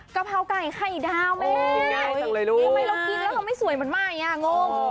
กะเพราไก่ไข่ดาวแม่ทำไมเรากินแล้วไม่สวยเหมือนไหมงง